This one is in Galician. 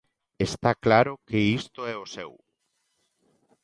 Está claro que isto é o seu.